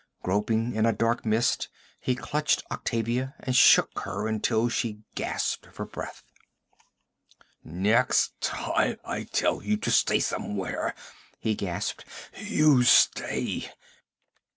Groping in a dark mist he clutched Octavia and shook her until she gasped for breath. 'Next time I tell you to stay somewhere,' he gasped, 'you stay!'